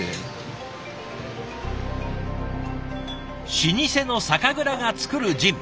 老舗の酒蔵が作るジン。